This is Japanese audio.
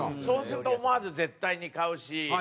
そうすると思わず絶対に買うし。